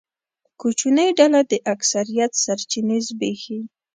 کوچنۍ ډله د اکثریت سرچینې زبېښي.